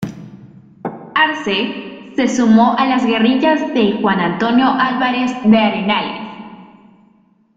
Arze se sumó a las guerrillas de Juan Antonio Álvarez de Arenales.